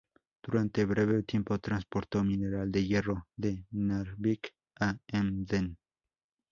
Durante breve tiempo transportó mineral de hierro de Narvik a Emden.